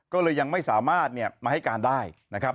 ก็เลยยังไม่สามารถมาให้การได้